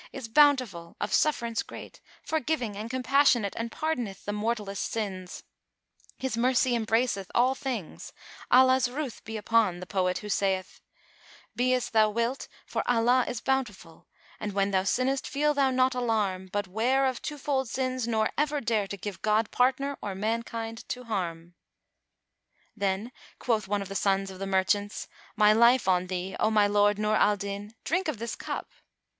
is bountiful, of sufferance great, forgiving and compassionate and pardoneth the mortalest sins: His mercy embraceth all things, Allah's ruth be upon the poet who saith, 'Be as thou wilt, for Allah is bountiful * And when thou sinnest feel thou naught alarm: But 'ware of twofold sins nor ever dare * To give God partner or mankind to harm.'" Then quoth one of the sons of the merchants, "My life on thee, O my lord Nur al Din, drink of this cup!"